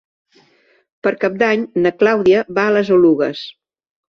Per Cap d'Any na Clàudia va a les Oluges.